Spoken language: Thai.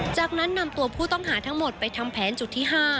จากนั้นนำตัวผู้ต้องหาทั้งหมดไปทำแผนจุดที่๕